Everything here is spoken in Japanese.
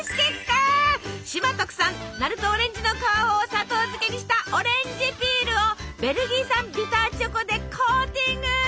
島特産鳴門オレンジの皮を砂糖漬けにしたオレンジピールをベルギー産ビターチョコでコーティング！